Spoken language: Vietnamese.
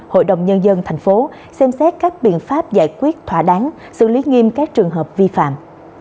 hội đồng nhân dân thành phố xem xét các biện pháp giải quyết thỏa đáng xử lý nghiêm các trường hợp vi phạm